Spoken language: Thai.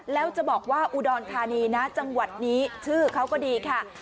แล้วจะบอกว่าอุดรธานีนะจังหวัดนี้ชื่อเขาก็ดีค่ะ